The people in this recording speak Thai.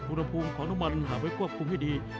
ปูนพุมของนมันห่างไว้กรอบคลุมให้ดี